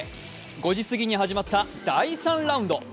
５時過ぎに始まった第３ラウンド。